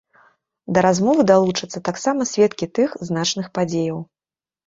Да размовы далучацца таксама сведкі тых значных падзеяў.